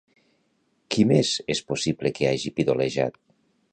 Qui més és possible que hagi pidolejat?